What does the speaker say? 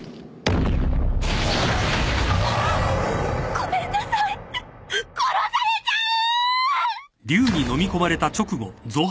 ごめんなさい殺されちゃう！